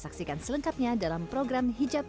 hanya di transujuk